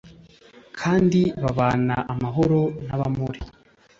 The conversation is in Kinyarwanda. kandi babana amahoro n abamori